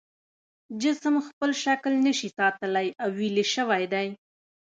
جسم خپل شکل نشي ساتلی او ویلې شوی دی.